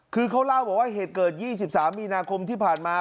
คือเขาเล่าบอกว่าเหตุเกิด๒๓มีนาคมที่ผ่านมา